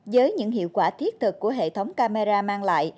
với những hiệu quả thiết thực của hệ thống camera mang lại